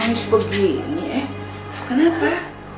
gue diomongin sama temen temen